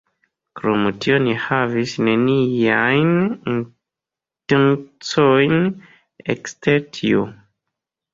Krom tio Ni havis neniajn intencojn ekster tio.